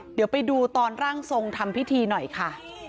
เดี๋ยวไปดูตอนร่างทรงทำพิธีหน่อยค่ะ